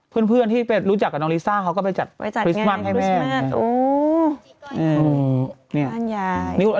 เพื่อนที่ไปรู้จักกับน้องลิซ่าเขาก็ไปจัดคริสต์มัสให้เพื่อน